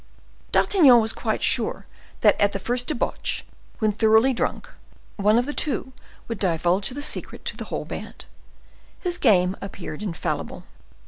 D'Artagnan was quite sure that at the first debauch, when thoroughly drunk, one of the two would divulge the secret to the whole band. His game appeared infallible.